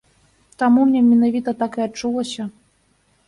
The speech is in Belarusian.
Таму мне менавіта так і адчулася.